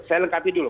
saya lengkapi dulu